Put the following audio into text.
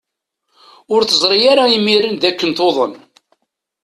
Ur teẓri ara imiren d akken tuḍen.